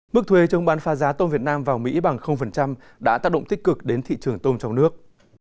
mức thuê chống bán pha giá tôm việt nam vào mỹ bằng đã tác động tích cực đến thị trường tôm trong nước